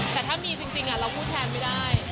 แต่ถ้ามีจริงเราพูดแทนไม่ได้